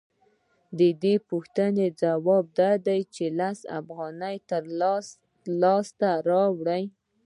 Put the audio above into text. د دې پوښتنې ځواب دا دی چې لس افغانۍ لاسته راوړي